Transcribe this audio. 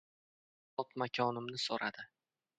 Zot-makonimni so‘radi.